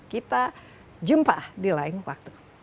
kita jumpa di lain waktu